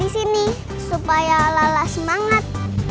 di sini supaya lelah semangat